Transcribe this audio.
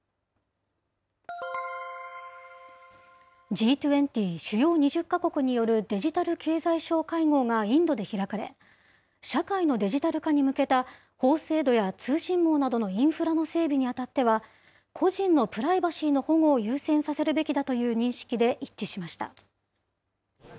Ｇ２０・主要２０か国によるデジタル経済相会合がインドで開かれ、社会のデジタル化に向けた法制度や通信網などのインフラの整備にあたっては、個人のプライバシーの保護を優先させるべきだという認識で一致しました。